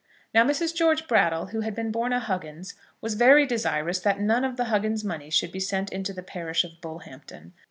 Now Mrs. George Brattle, who had been born a Huggins, was very desirous that none of the Huggins money should be sent into the parish of Bullhampton.